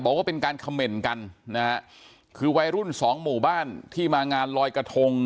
บอกว่าเป็นการเขม่นกันนะฮะคือวัยรุ่นสองหมู่บ้านที่มางานลอยกระทง